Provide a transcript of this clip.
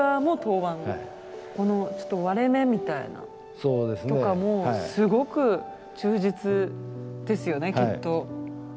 この割れ目みたいなのとかもすごく忠実ですよねきっと。